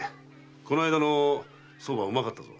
この間の蕎麦はうまかったぞ。